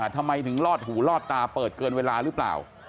ทำไมถึงลอดหูลอดตาเปิดเกินเวลาหรือเปล่า